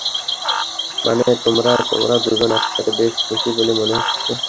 মানে, তোমরা, তোমরা দুজন একসাথে বেশ খুশি বলে মনে হচ্ছে।